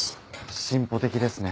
進歩的ですね。